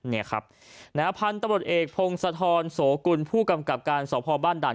น้าพันธ์ตะบดเอกพงศธรโสกุลผู้กำกับการสอบภอบ้านด่าน